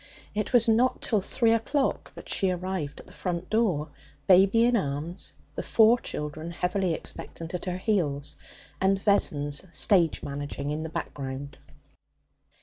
It was not till three o'clock that she arrived at the front door, baby in arms, the four children, heavily expectant, at her heels, and Vessons stage managing in the background.